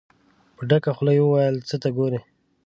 په ډکه خوله يې وويل: څه ته ګورئ؟